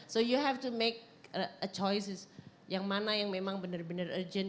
so you have to make a choices yang mana yang memang benar benar urgent